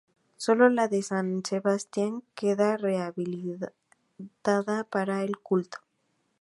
Sólo la de San Sebastián queda rehabilitada para el culto.